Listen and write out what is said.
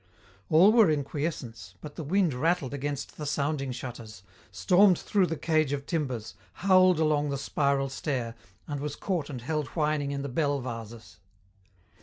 All were in quiescence, but the wind rattled against the sounding shutters, stormed through the cage of timbers, howled along the spiral stair, and was caught and held whining in the bell vases.